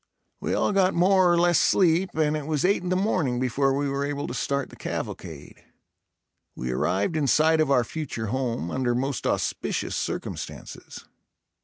We all got more or less sleep and it was eight in the morning before we were able to start the cavalcade. We arrived in sight of our future home, under most auspicious circumstances.